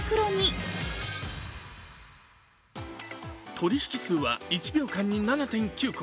取引数は１秒間に７．９個。